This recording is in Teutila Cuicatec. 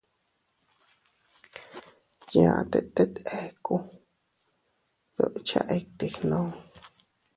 Yaʼte tet eku, dukcha iti gnu.